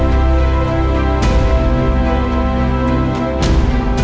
clara tuh siapa sih